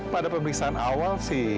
pada pemeriksaan awal sih